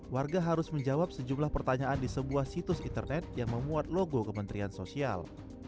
warga harus menjawab sejumlah pertanyaan di sebuah situs internet yang memuat logo kementerian sosial